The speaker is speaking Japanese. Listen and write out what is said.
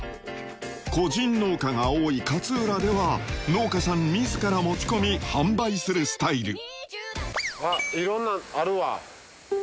個人農家が多い勝浦では農家さん自ら持ち込み販売するスタイルあっいろんなあるわ。